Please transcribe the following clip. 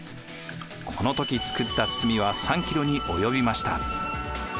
この時作った堤は３キロに及びました。